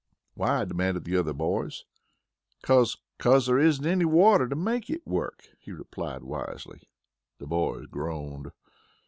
"Why?" demanded the other boys. "'Cause 'cause there isn't any water to make it work," he replied wisely. The boys groaned.